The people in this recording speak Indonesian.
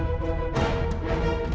conjugasi bahkan lihat deh